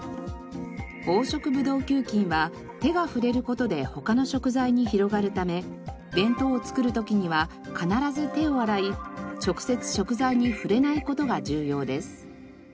黄色ブドウ球菌は手が触れる事で他の食材に広がるため弁当を作る時には必ず手を洗い直接食材に触れない事が重要です。